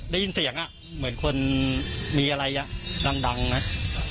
ได้ยินเสียงอ่ะเหมือนคนมีอะไรอ่ะดังนะ